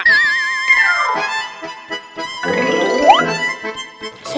kasian banget ya pak deh